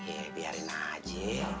eh biarin aja